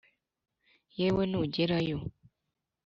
yewe nugera yo